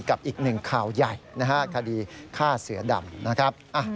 กับอีกหนึ่งข่าวใหญ่นะฮะคดีฆ่าเสือดำนะครับ